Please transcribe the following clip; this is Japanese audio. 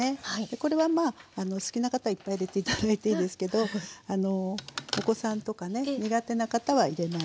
これはまあお好きな方いっぱい入れて頂いていいですけどお子さんとかね苦手な方は入れないでね大丈夫です。